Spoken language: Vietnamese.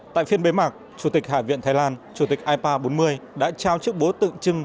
tại phiên bế mạc chủ tịch hải viện thái lan chủ tịch ipa bốn mươi đã trao chức bố tượng trưng